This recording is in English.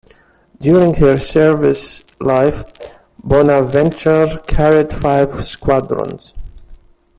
During her service life, "Bonaventure" carried five squadrons.